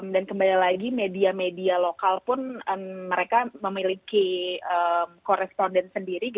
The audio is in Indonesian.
dan kembali lagi media media lokal pun mereka memiliki koresponden sendiri